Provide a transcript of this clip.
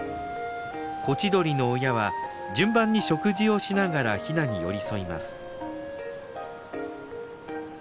コチドリの親は順番に食事をしながらヒナに寄り添います。